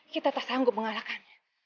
kita tak sanggup mengalahkannya